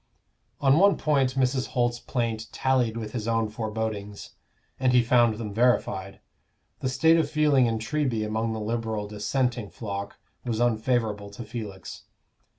On one point Mrs. Holt's plaint tallied with his own forebodings, and he found them verified: the state of feeling in Treby among the Liberal Dissenting flock was unfavorable to Felix.